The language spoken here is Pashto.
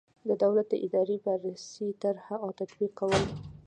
د دولت د اداري پالیسۍ طرح او تطبیق کول.